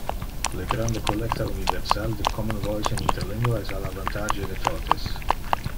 Le grande collecta universal de Common Voice in interlingua es al avantage de totes.